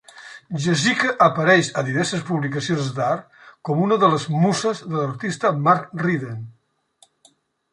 Jessicka apareix a diverses publicacions d'art com una de les musses de l'artista Mark Ryden.